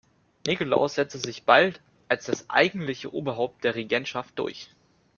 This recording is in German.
Nikolaus setzte sich bald als das eigentliche Oberhaupt der Regentschaft durch.